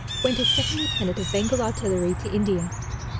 Went as second lieutenant of Bengal Artillery to India.